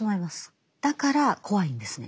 だから怖いんですね。